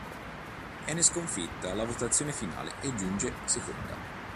Viene sconfitta alla votazione finale e giunge seconda.